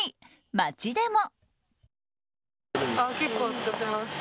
街でも。